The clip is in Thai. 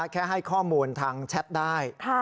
ให้ข้อมูลทางแชทได้